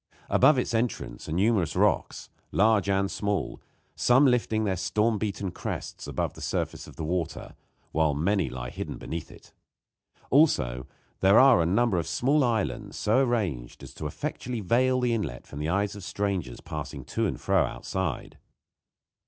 About its entrance are numerous rocks, large and small some lifting their storm beaten crests above the surface of the water, while many lie hidden beneath it; also, there are a number of small islands so arranged as to effectually veil the inlet from the eyes of strangers passing to and fro outside.